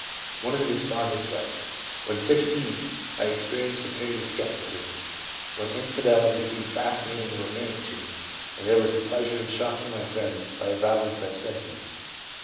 One of the respondents writes :' When 16 I experienced a period of scepticism, when infidelity seemed fascinating and romantic to me, and there was a pleasure in shock ing my friends by avowing such sentiments.